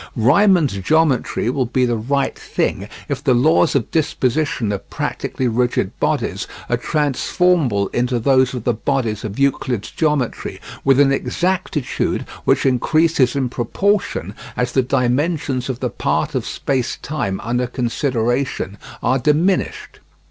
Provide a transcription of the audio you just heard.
Riemann's geometry will be the right thing if the laws of disposition of practically rigid bodies are transformable into those of the bodies of Euclid's geometry with an exactitude which increases in proportion as the dimensions of the part of space time under consideration are diminished.